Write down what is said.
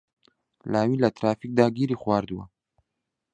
لاوین لە ترافیکدا گیری خواردووە.